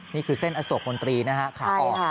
นี่คือเส้นอโศกบนตรีนะครับ